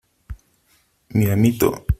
¡ mi amito !